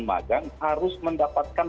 magang harus mendapatkan